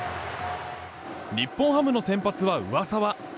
日本ハムの先発は上沢。